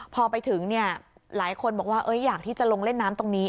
พอไปถึงหลายคนบอกว่าอยากที่จะลงเล่นน้ำตรงนี้